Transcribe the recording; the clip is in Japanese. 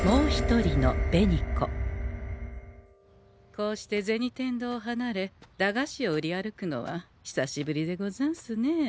こうして銭天堂をはなれ駄菓子を売り歩くのは久しぶりでござんすねえ。